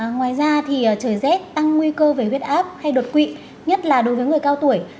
ngoài ra thì trời rét tăng nguy cơ về huyết áp hay đột quỵ nhất là đối với người cao tuổi